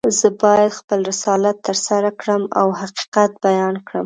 زه باید خپل رسالت ترسره کړم او حقیقت بیان کړم.